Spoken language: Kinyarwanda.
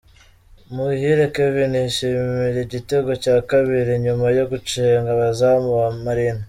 Muhire Kevin yishimira igitego cya kabiri nyuma yo gucenga umuzamu wa Marine.